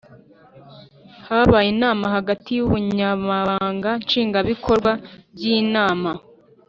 Habaye inama hagati y Ubunyamabanga Nshingwabikorwa bw Inama